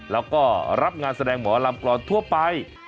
แล้วก็รับงานแสดงหมอลำกรอนทั่วไป